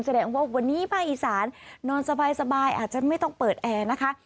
แสดงว่าวันนี้ภาคอีสานนอนสบายอาจจะไม่ต้องเปิดแอร์นะคะ